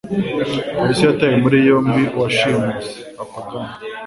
Polisi yataye muri yombi uwashimuse (APagano)